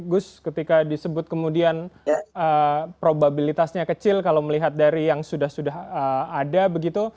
gus ketika disebut kemudian probabilitasnya kecil kalau melihat dari yang sudah sudah ada begitu